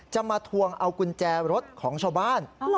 มาทวงเอากุญแจรถของชาวบ้าน